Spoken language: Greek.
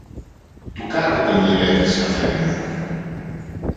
του κάκου τον γυρεύεις, Αφέντη μου!